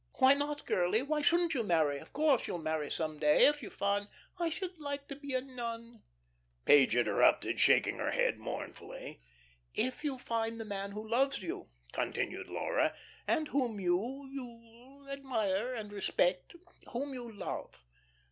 "Why not, girlie? Why shouldn't you marry. Of course you'll marry some day, if you find " "I should like to be a nun," Page interrupted, shaking her head, mournfully. " if you find the man who loves you," continued Laura, "and whom you you admire and respect whom you love.